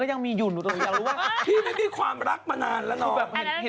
ไม่มีหยุ่นอยากรู้ว่าพี่ไม่ได้มีความรักมานานแล้วน่ะ